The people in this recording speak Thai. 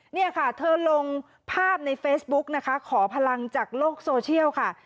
เนี่ยค่ะเธอลงภาพในเฟซบุ๊กนะคะขอพลังจากโลกโซเชียลค่ะ